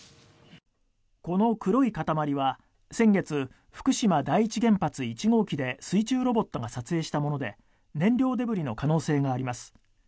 この黒い塊は先月、福島第一原発１号機で水中ロボットが撮影したもので燃料デブリの可能性があります。